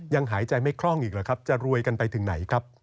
หายใจไม่คล่องอีกหรือครับจะรวยกันไปถึงไหนครับ